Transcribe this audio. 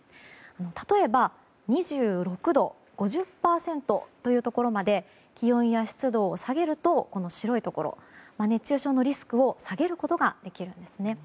例えば、２６度５０％というところまで気温や湿度を下げるとこの白いところ熱中症のリスクを下げることができるんですね。